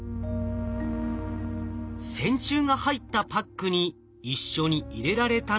線虫が入ったパックに一緒に入れられたのは。